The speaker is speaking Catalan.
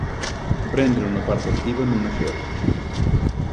Prendre una part activa en un afer.